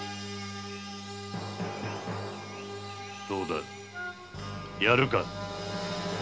どうだやるか？